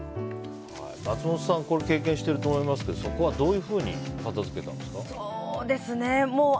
松本さんこれ経験していると思いますけどそこはどういうふうに片づけたんですか。